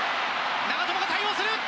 長友が対応する。